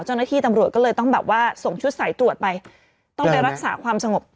เจ้าหน้าที่ตำรวจก็เลยต้องแบบว่าส่งชุดสายตรวจไปต้องไปรักษาความสงบ